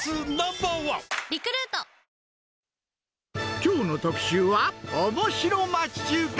きょうの特集は、おもしろ町中華。